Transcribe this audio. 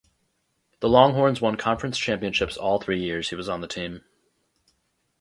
The Longhorns won conference championships all three years he was on the team.